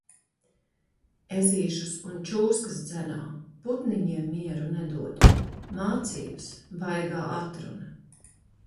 Ezīšus un čūskas dzenā, putniņiem mieru nedod. Mācības, baigā atruna.